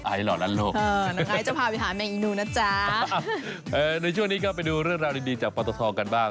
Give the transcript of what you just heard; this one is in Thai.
สับที่ไหนอยากหาแม่งอีนูนบอกพี่ได้ไอลอร์ล้านโลก